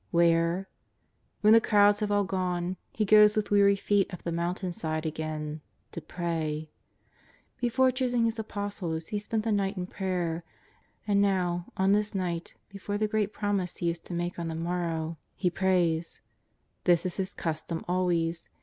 Where ? When the crowds have all gone. He goes with weary feet up the mountain side again — to pray. Before choosing His Apostles He spent the night in prayer. And now, on this night, before the great Promise He is to make on the morrow, He prays. This is His cus tom always.